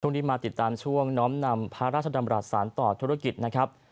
มาติดตามช่วงน้อมนำพระราชดำรัฐสารต่อธุรกิจนะครับ